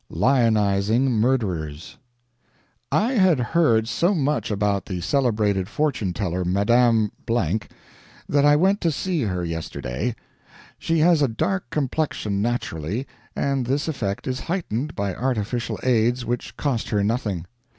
LIONIZING MURDERERS I had heard so much about the celebrated fortune teller Madame , that I went to see her yesterday. She has a dark complexion naturally, and this effect is heightened by artificial aids which cost her nothing.